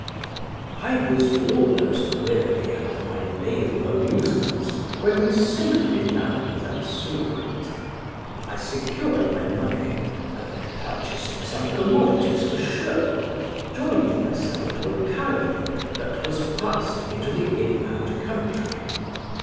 "I was almost weary of my naval amusements when we safely landed at Surat. I secured my money and, purchasing some commodities for show, joined myself to a caravan that was passing into the inland country.